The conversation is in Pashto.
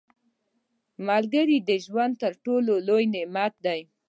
• ملګری د ژوند تر ټولو لوی نعمت دی.